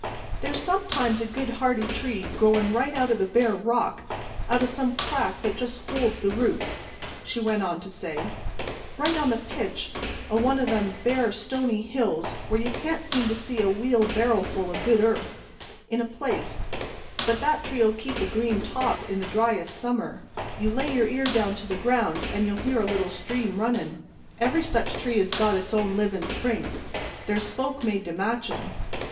"There's sometimes a good hearty tree growin' right out of the bare rock, out o' some crack that just holds the roots;" she went on to say, "right on the pitch o' one o' them bare stony hills where you can't seem to see a wheel barrowful o' good earth in a place, but that tree'll keep a green top in the driest summer. You lay your ear down to the ground an' you'll hear a little stream runnin'. Every such tree has got its own livin' spring; there's folk made to match 'em."